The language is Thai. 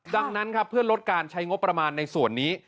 ดังนั้นครับเพื่อลดการใช้งบประมาณในส่วนนี้